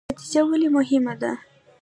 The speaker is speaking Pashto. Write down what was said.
نتیجه ولې مهمه ده؟